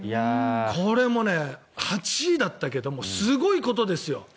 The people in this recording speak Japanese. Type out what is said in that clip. これも８位だったけどすごいことですよ。